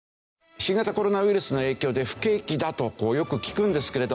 新型コロナウイルスの影響で不景気だとこうよく聞くんですけれど。